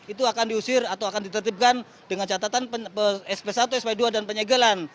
itu akan diusir atau akan ditertibkan dengan catatan sp satu sp dua dan penyegelan